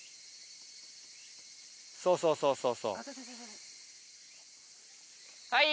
そうそうそうそう。